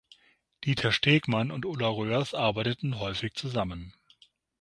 Dieter Stegmann und Ulla Röhrs arbeiteten häufig zusammen.